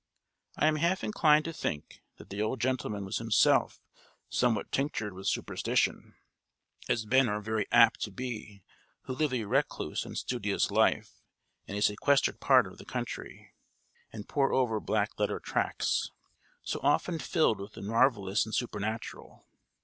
I am half inclined to think that the old gentleman was himself somewhat tinctured with superstition, as men are very apt to be who live a recluse and studious life in a sequestered part of the country, and pore over black letter tracts, so often filled with the marvellous and supernatural.